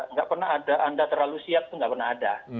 nggak pernah ada anda terlalu siap itu nggak pernah ada